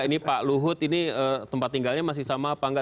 ini pak luhut ini tempat tinggalnya masih sama apa enggak